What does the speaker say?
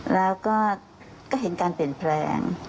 แล้วก็เห็นการเปลี่ยนแปลง